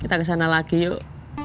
kita kesana lagi yuk